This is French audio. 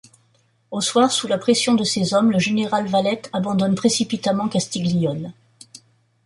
Au soir, sous la pression de ses hommes, le général Valette abandonne précipitamment Castiglione.